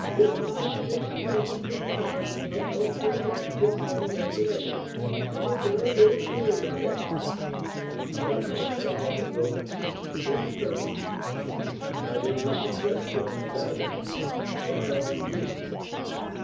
Its mind is tremendously strong, of no curiosity or imagination, and of very little peyondix." "But he wants to have it broken?" "Yes, sir." "How did he suggest going about it? Or how do you?"